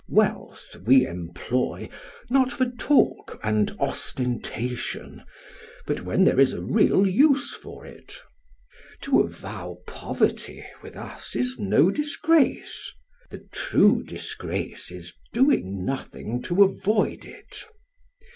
"Wealth we employ, not for talk and ostentation, but when there is a real use for it. To avow poverty with us is no disgrace; the true disgrace is in doing nothing to avoid it.